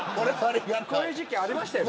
こういう時期ありましたよね